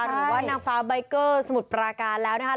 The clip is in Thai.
หรือว่านางฟ้าใบเกอร์สมุทรปราการแล้วนะคะ